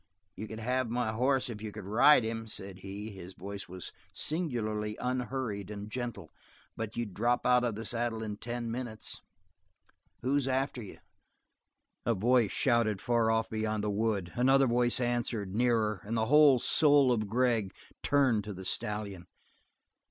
"You could have my hoss if you could ride him," said he. His voice was singularly unhurried and gentle. "But you'd drop out of the saddle in ten minutes. Who's after you?" A voice shouted far off beyond the wood; another voice answered, nearer, and the whole soul of Gregg turned to the stallion.